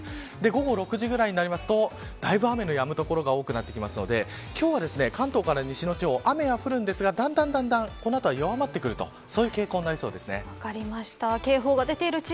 午後６時くらいになりますとだいぶ雨のやむ所が多くなってきますので、今日は関東から西の地方雨は降りますがだんだん、この後は弱まってくる傾向になりそうです。